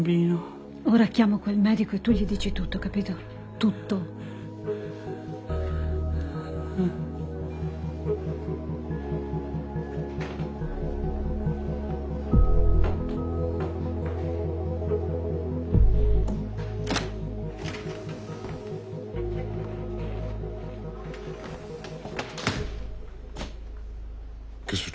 どうかした？